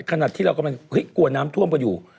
ขนาดที่เรากำลังกลัวน้ำท่วมกันอยู่